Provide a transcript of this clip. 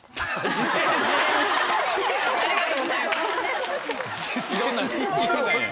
ありがとうございます。